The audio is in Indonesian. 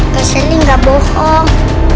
pak seli gak bohong